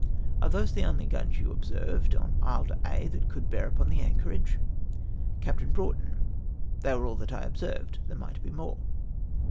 — "Are those the only guns you observed on Isle d'Aix that could bear upon the anchorage?" Capt. BiiouGiiTON. —" They were all that I observed ; there might be more."